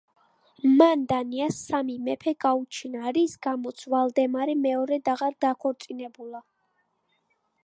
მან დანიას სამი მეფე გაუჩინა, რის გამოც ვალდემარი მეორედ აღარ დაქორწინებულა.